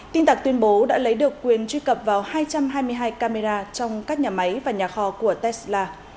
tin tặc tuyên bố đã lấy được quyền truy cập vào hai trăm hai mươi hai camera trong các nhà máy và nhà kho của tesla